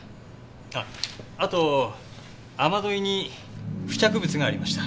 ああと雨どいに付着物がありました。